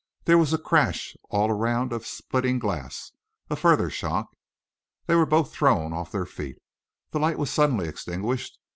There was a crash all around of splitting glass, a further shock. They were both thrown off their feet. The light was suddenly extinguished.